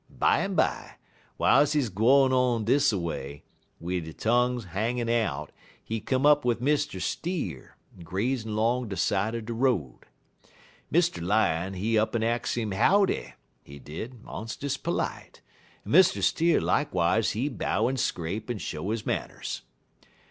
Bimeby, w'iles he gwine on dis a way, wid he tongue hangin' out, he come up wid Mr. Steer, grazin' 'long on de side er de road. Mr. Lion, he up'n ax 'im howdy, he did, monst'us perlite, en Mr. Steer likewise he bow en scrape en show his manners.